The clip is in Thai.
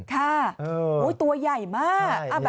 ค่ะตัวใหญ่มาก